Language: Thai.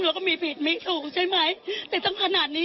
ออกออกออกแล้วก็ออกออกข้าวออกมาจากบ้านนี้